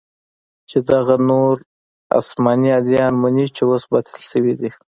چې دغه نور اسماني اديان مني چې اوس باطل سوي دي.